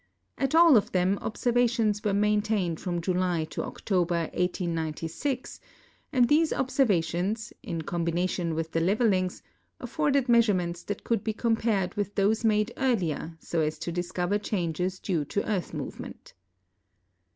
At all of them observations were maintained from July to October, 1896, and these observations, in combination with the levelings, afforded measurements that could be compared with those made earlier so as to discover changes due to earth jnovement.